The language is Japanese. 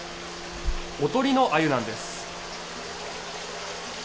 おとりのアユなんです。